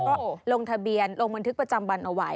ก็ลงทะเบียนลงบันทึกประจำวันเอาไว้